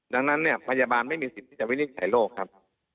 ดังนั้นเนี่ยพยาบาลไม่มีสิทธิ์ที่จะวินิจฉัยโรคครับ